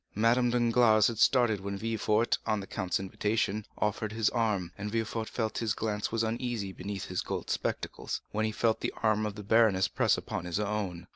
Madame Danglars had started when Villefort, on the count's invitation, offered his arm; and Villefort felt that his glance was uneasy beneath his gold spectacles, when he felt the arm of the baroness press upon his own.